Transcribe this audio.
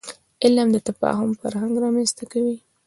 علم د تفاهم فرهنګ رامنځته کوي.